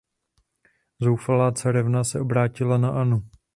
Zoufalá carevna se obrátila na Annu.